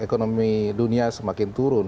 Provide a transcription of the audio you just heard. ekonomi dunia semakin turun